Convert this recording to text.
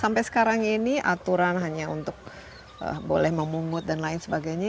sampai sekarang ini aturan hanya untuk boleh memungut dan lain sebagainya